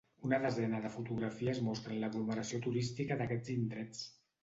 Una desena de fotografies mostren l’aglomeració turística d’aquests indrets.